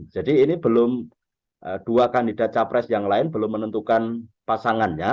jadi ini belum dua kandidat capres yang lain belum menentukan pasangannya